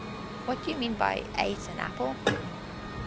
"What do you mean by 'ate an apple'?"